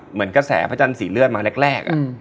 เหมือนกระแสพระจันทร์สีเลือดมาแรก